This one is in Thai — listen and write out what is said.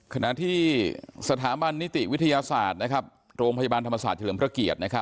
ขณะที่สถาบันนิติวิทยาศาสตร์โรงพยาบาลธรรมศาสตร์เฉลิมพระเกียรติ